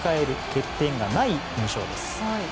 欠点がない印象です。